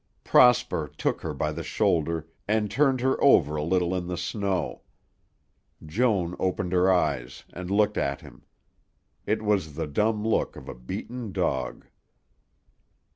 Prosper took her by the shoulder and turned her over a little in the snow. Joan opened her eyes and looked at him. It was the dumb look of a beaten dog.